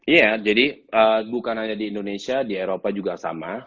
iya jadi bukan hanya di indonesia di eropa juga sama